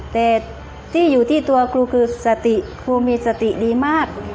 แต่ที่อยู่ที่ตัวกรูคือภูมิสตินี่มาก